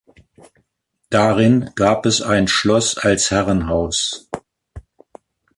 Darin gab es ein Schloss als Herrenhaus.